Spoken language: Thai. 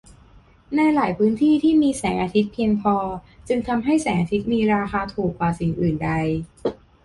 ในหลายพื้นที่ที่มีแสงอาทิตย์เพียงพอจึงทำให้แสงอาทิตย์มีราคาถูกกว่าสิ่งอื่นใด